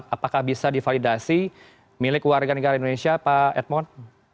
apakah bisa divalidasi milik warga negara indonesia pak edmond